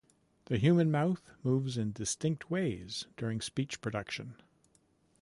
The human mouth moves in distinct ways during speech production.